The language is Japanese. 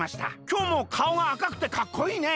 『きょうもかおがあかくてかっこいいね』